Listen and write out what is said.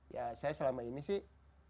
ya saya selama ini sih